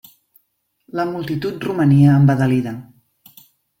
La multitud romania embadalida.